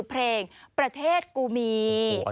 เพลงประเทศกูมี